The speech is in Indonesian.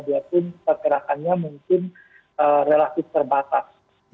dia pun pergerakannya mungkin relatif terbatas